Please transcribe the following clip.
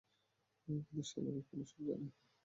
কিন্তু শালার উকিলও সব জানে।